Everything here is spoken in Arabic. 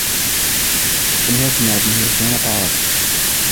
المبنى به عشرون طوابق.